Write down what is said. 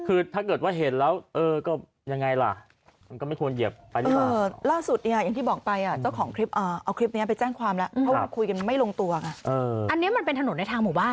เราก็ไม่รู้เขาเห็นหรือไม่เห็นเนาะ